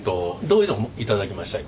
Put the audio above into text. どういうの頂きました？